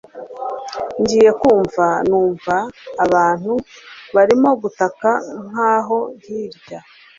ngiye kumva numva abantu barimo gutaka nkaho hirya